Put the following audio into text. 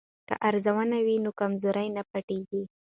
که ارزونه وي نو کمزوري نه پټیږي.